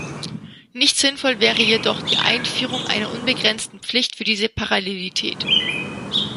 Nicht sinnvoll wäre jedoch die Einführung einer unbegrenzten Pflicht für diese Parallelität.